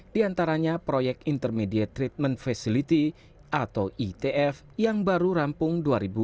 di antaranya proyek intermediate treatment facility atau itf yang baru rampung dua ribu dua puluh